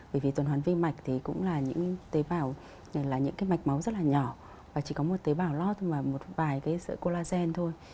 bởi vì tuần hoàn vi mạch thì cũng là những tế bào là những cái mạch máu rất là nhỏ và chỉ có một tế bào lót mà một vài cái sợi colagen thôi